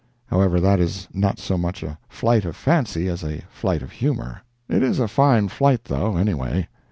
However, that is not so much a flight of fancy as a flight of humor. It is a fine flight, though, anyway.